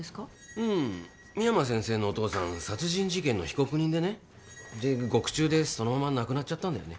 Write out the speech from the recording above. うん深山先生のお父さん殺人事件の被告人でね獄中でそのまま亡くなっちゃったんだよね